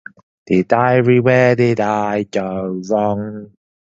Dear diary, where did I go wrong?